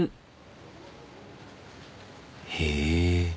へえ。